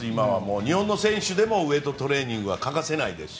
日本の選手でもウェートトレーニングは欠かせないですし。